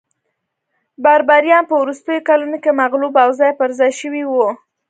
بربریان په وروستیو کلونو کې مغلوب او ځای پرځای شوي وو